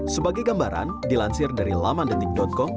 sebagai gambaran dilansir dari lamandetik com